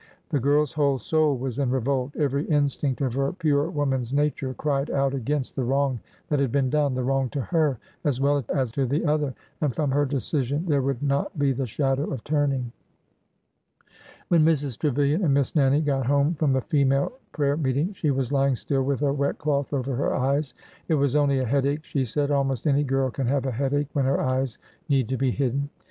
The girl's whole soul was in revolt. Every in stinct of her pure woman's nature cried out against the wrong that had been done,— the wrong to her as well as to the other,— and from her decision there would not be the shadow of turning. When Mrs. Trevilian and Miss Nannie got home from the female prayer meeting, she was lying still with a wet cloth over her eyes. It was only a headache, she said. Almost any girl can have a headache when her eyes need to be hidden.